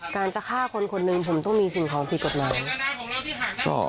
การจะฆ่าคนคนหนึ่งผมต้องมีสิ่งของผิดกฎหมาย